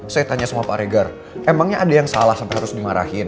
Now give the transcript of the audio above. saya tanya sama pak regar emangnya ada yang salah sampai harus dimarahin